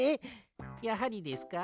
やはりですか？